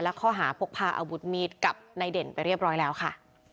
และข้อหาพกพาอาวุธมีดกับนายเด่นไปเรียบร้อยแล้วค่ะ